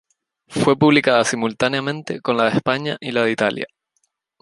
Fue publicada simultáneamente con la de España y la de Italia.